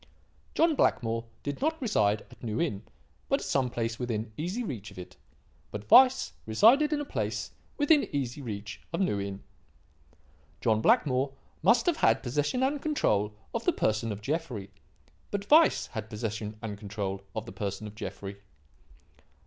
"John Blackmore did not reside at New Inn, but at some place within easy reach of it. But Weiss resided at a place within easy reach of New Inn. "John Blackmore must have had possession and control of the person of Jeffrey. But Weiss had possession and control of the person of Jeffrey.